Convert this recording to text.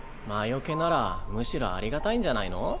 魔除けならむしろありがたいんじゃないの？